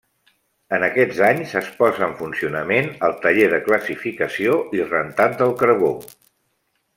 En aquests anys, es posa en funcionament el taller de classificació i rentat del carbó.